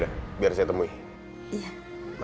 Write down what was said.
mama pertanyaan lu ahead ma